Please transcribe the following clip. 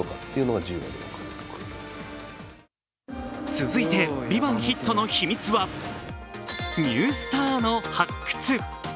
続いて、「ＶＩＶＡＮＴ」ヒットの秘密はニュースターの発掘。